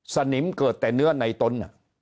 สนิมเกิดแต่เนื้อในตน